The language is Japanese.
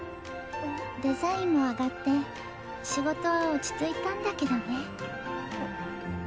デザインも上がって仕事は落ち着いたんだけどね。